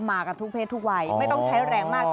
มากันทุกเพศทุกวัยไม่ต้องใช้แรงมาก